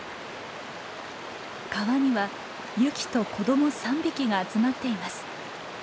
川にはユキと子ども３匹が集まっています。